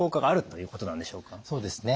そうですね。